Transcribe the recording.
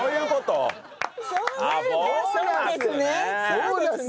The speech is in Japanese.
そうですね！